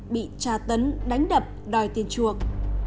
bị tra tấn đánh đập đòi tiền chuộc